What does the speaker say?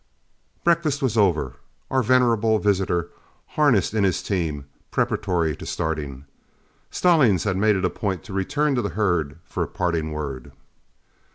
Breakfast over, our venerable visitor harnessed in his team, preparatory to starting. Stallings had made it a point to return to the herd for a parting word.